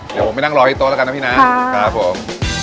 เดี๋ยวผมไปนั่งรอที่โต๊ะแล้วกันนะพี่นะครับผม